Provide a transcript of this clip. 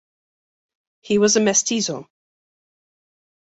He was a mestizo.